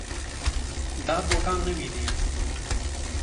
دا بوټان نوي دي.